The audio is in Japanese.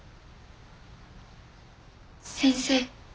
先生。